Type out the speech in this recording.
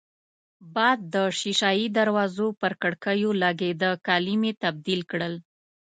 باد د شېشه يي دروازو پر کړکېو لګېده، کالي مې تبدیل کړل.